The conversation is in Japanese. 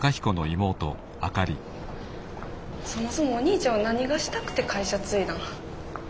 そもそもお兄ちゃんは何がしたくて会社継いだん？